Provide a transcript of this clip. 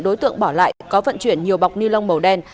đối tượng bỏ lại có vận chuyển nhiều bọc ni lông màu đen